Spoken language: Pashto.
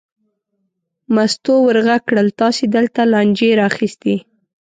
مستو ور غږ کړل: تاسې دلته لانجې را اخیستې.